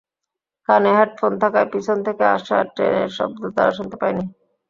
কানে হেডফোন থাকায় পেছন থেকে আসা ট্রেনের শব্দ তারা শুনতে পায়নি।